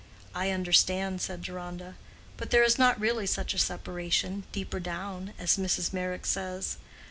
"I understand," said Deronda. "But there is not really such a separation—deeper down, as Mrs. Meyrick says.